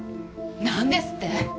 なんですって？